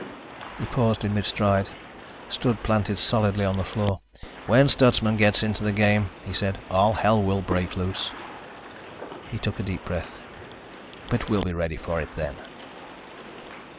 He paused in mid stride, stood planted solidly on the floor. "When Stutsman gets into the game," he said, "all hell will break loose." He took a deep breath. "But we'll be ready for it then!"